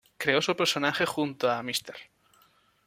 Creó su personaje junto a Mr.